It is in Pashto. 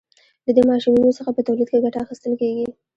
له دې ماشینونو څخه په تولید کې ګټه اخیستل کیږي.